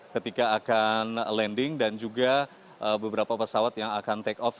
ketika akan landing dan juga beberapa pesawat yang akan take off